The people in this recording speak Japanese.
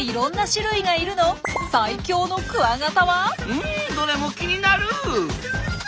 うんどれも気になる！